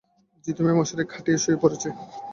জিতু মিয়া মশারি খাটিয়ে শুয়ে পড়েছে।